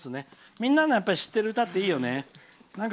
みんなが知ってる歌っていいよね。